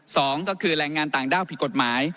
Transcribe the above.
สองก็คือแรงงานต่างด้าวผิดกฎหมาย